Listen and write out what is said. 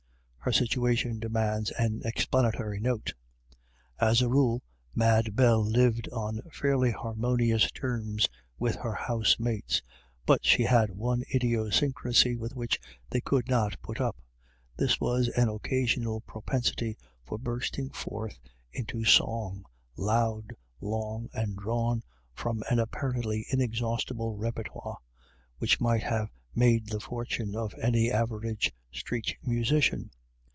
Her situation demands an explanatory note. 84 IRISH ID YLLS. As a rule, Mad Bell lived on fairly harmonious terms with her house mates. But she had one idiosyncrasy with which they could not put up. This was an occasional propensity for bursting forth into song, loud, long, and drawn from an apparently inexhaustible rtpertoire> which might have made the fortune of any average street musician.